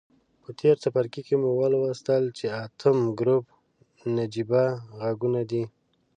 په تیر څپرکي کې مو ولوستل چې اتم ګروپ نجیبه غازونه دي.